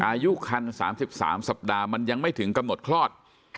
อายุคัน๓๓สัปดาห์มันยังไม่ถึงกำหนดคลอด